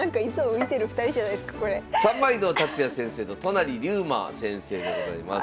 三枚堂達也先生と都成竜馬先生でございます。